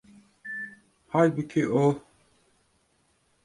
Halbuki o.